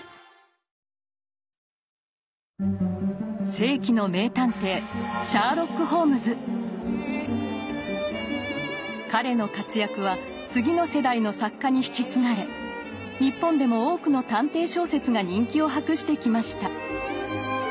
世紀の名探偵彼の活躍は次の世代の作家に引き継がれ日本でも多くの探偵小説が人気を博してきました。